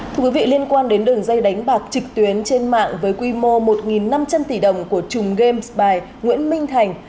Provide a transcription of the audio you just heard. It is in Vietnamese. thưa quý vị liên quan đến đường dây đánh bạc trực tuyến trên mạng với quy mô một năm trăm linh tỷ đồng của chùm game s bài nguyễn minh thành